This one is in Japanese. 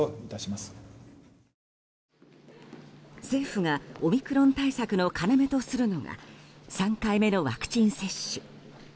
政府がオミクロン対策の要とするのが３回目のワクチン接種。